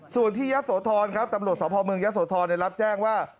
ส่วนที่ยักษ์โสธรครับตำรวจสอบภาคเมืองยักษ์โสธรรับแจ้งว่า